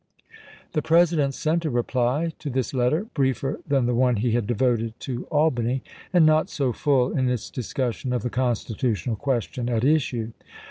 The President sent a reply to this letter, briefer than the one he had devoted to Albany, and not so full in its discussion of the constitutional question at issue.